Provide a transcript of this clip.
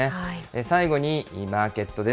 最後に、マーケットです。